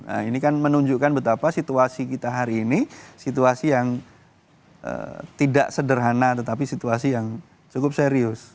nah ini kan menunjukkan betapa situasi kita hari ini situasi yang tidak sederhana tetapi situasi yang cukup serius